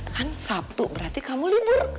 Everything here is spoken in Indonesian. kan sabtu berarti kamu libur